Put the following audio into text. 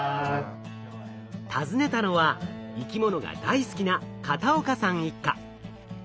訪ねたのは生き物が大好きな片岡さん一家。